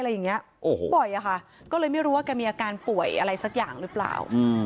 ก็เลยไม่รู้ว่าสักอย่างแต่มีการป่วยหรือเปล่า